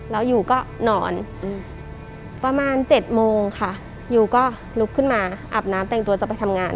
แล้วยูก็นอนประมาณ๗โมงค่ะยูก็ลุกขึ้นมาอาบน้ำแต่งตัวจะไปทำงาน